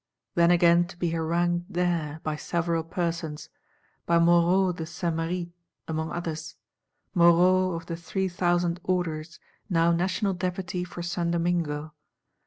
Then again to be harangued there, by several persons; by Moreau de Saint Méry, among others; Moreau of the Three thousand orders, now National Deputy for St. Domingo.